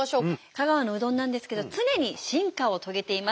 香川のうどんなんですけど常に進化を遂げています。